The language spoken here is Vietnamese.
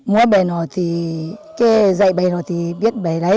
mua bài nào thì dạy bài nào thì biết bài